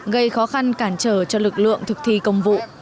gây khó khăn cản trở cho lực lượng thực thi công vụ